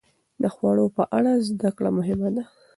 د خوړو په اړه زده کړه مهمه ده.